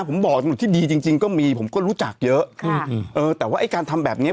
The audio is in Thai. ผมบอกตำรวจที่ดีจริงจริงก็มีผมก็รู้จักเยอะค่ะเออแต่ว่าไอ้การทำแบบเนี้ย